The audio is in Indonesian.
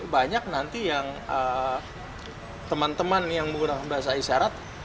banyak nanti yang teman teman yang menggunakan bahasa isyarat